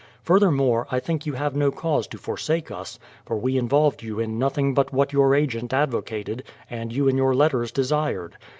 Furthermore, 1 think you have no cause to forsake us, for we involved you in nothing but what your agent advocated and you in your letters desired.